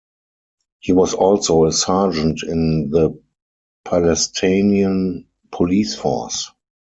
He was also a sergeant in the Palestinian Police Force.